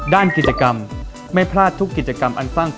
ด้านกิจกรรม